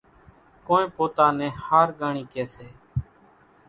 ڪونئين پوتا نين ۿارڳانڻِي ڪيَ سي۔